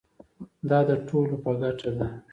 دا د ټولو په ګټه ده.